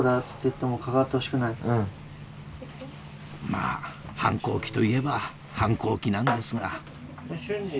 まぁ反抗期といえば反抗期なんですが隼司。